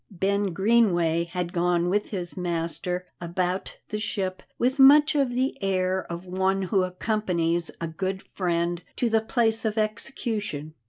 Ben Greenway had gone with his master about the ship with much of the air of one who accompanies a good friend to the place of execution.